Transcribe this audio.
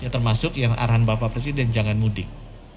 termasuk yang arahan bapak presiden jangan mudik